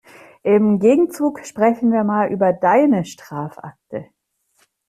Im Gegenzug sprechen wir mal über deine Strafakte.